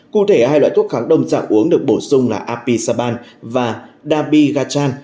cụ thể hai loại thuốc kháng đông dạng uống được bổ sung là apisaban và dabigatran